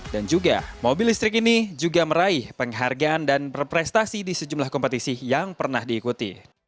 dan juga mobil listrik ini juga meraih penghargaan dan berprestasi di sejumlah kompetisi yang pernah diikuti